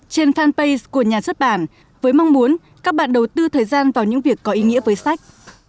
trên fanpage của nhà xuất bản với mong muốn các bạn đầu tư thời gian vào những việc có ý nghĩa với sách